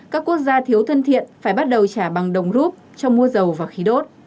các quốc gia thiếu thân thiện phải bắt đầu trả bằng đồng rút cho mua dầu và khí đốt